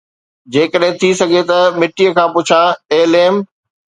جيڪڏهن ٿي سگهي ته مٽيءَ کان پڇان، اي ليم